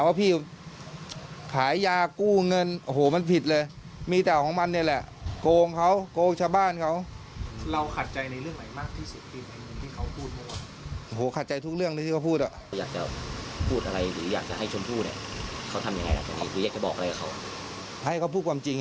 เขาทำยังไงแหละกรูแยกก็บอกอะไรเขา